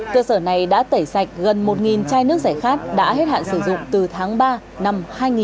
cơ sở này đã tẩy sạch gần một chai nước giải khát đã hết hạn sử dụng từ tháng ba năm hai nghìn một mươi